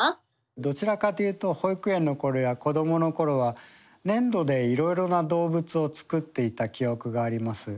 どちらかというと保育園の頃や子どもの頃は粘土でいろいろな動物を作っていた記憶があります。